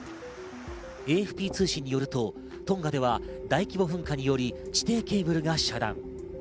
ＡＦＰ通信によると、トンガでは大規模噴火により地底ケーブルが遮断。